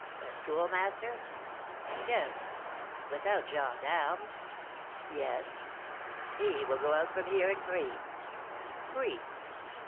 "The Schoolmaster?" "Yes." "Without gens d'armes?" "Yes." "He will go out from here, and free?" "Free."